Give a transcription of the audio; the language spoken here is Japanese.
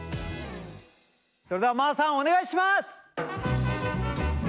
それではマーさんお願いします！